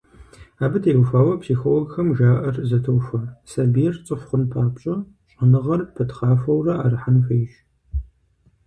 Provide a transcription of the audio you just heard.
Абы теухуауэ психологхэм жаӀэр зэтохуэ: сабийр цӀыху хъун папщӀэ щӀэныгъэр пытхъахуэурэ Ӏэрыхьэн хуейщ.